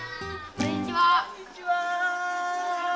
こんにちは。